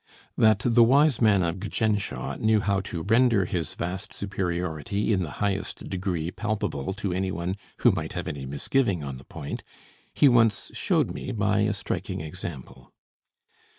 That the Wise Man of Gjändsha knew how to render his vast superiority in the highest degree palpable to any one who might have any misgiving on the point, he once showed me by a striking example.